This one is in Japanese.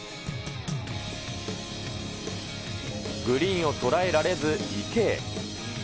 グリーンを捉えられず、池へ。